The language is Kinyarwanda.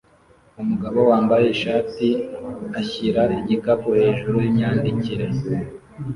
Umugabo wambaye ishati ashyira igikapu hejuru yimyandikire